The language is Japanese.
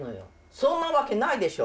そんな訳ないでしょ！